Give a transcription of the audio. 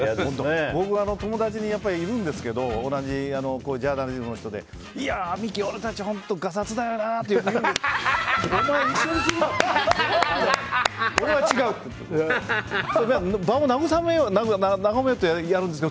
僕は友達にいるんですけど同じ、ジャーナリズムの人で三木、俺たち本当がさつだよなって、よく言われるんです。